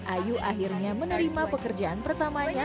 ayu akhirnya menerima pekerjaan pertamanya